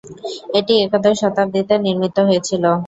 এটি একাদশ শতাব্দীতে নির্মিত হয়েছিল।